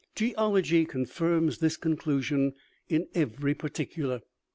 "Geology confirms this conclusion in every particular.